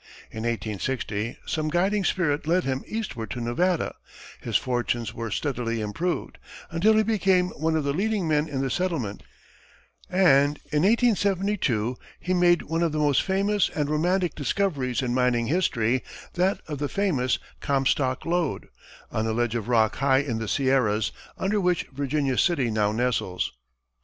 In 1860, some guiding spirit led him eastward to Nevada; his fortunes there steadily improved, until he became one of the leading men in the settlement, and in 1872, he made one of the most famous and romantic discoveries in mining history, that of the famous Comstock lode, on a ledge of rock high in the Sierras, under which Virginia City now nestles.